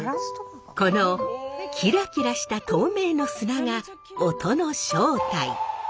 このキラキラした透明の砂が音の正体。